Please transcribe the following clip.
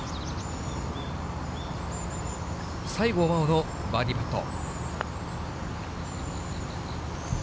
西郷真央のバーディーパット。